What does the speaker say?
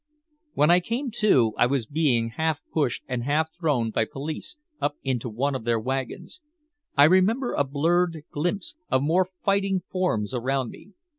When I came to, I was being half pushed and half thrown by police up into one of their wagons. I remember a blurred glimpse of more fighting forms around me.